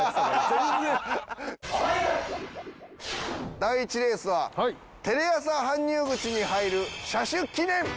第１レースはテレ朝搬入口に入る車種記念！